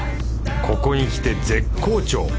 ここにきて絶好調！